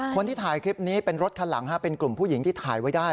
คนที่ถ่ายคลิปนี้เป็นรถคันหลังเป็นกลุ่มผู้หญิงที่ถ่ายไว้ได้